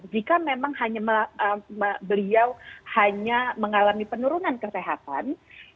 jika memang beliau hanya mengalami penurunan kesehatan